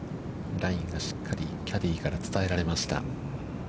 ラインがしっかりキャディーから伝えられました。